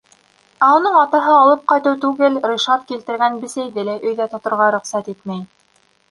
Ә уның атаһы алып ҡайтыу түгел, Ришат килтергән бесәйҙе лә өйҙә тоторға рөхсәт итмәй.